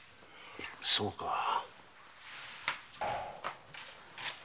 そうか。